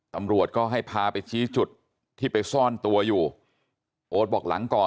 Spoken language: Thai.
ตำรวจก็ให้พาไปชี้จุดที่ไปซ่อนตัวอยู่โอ๊ตบอกหลังก่อน